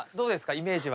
イメージは。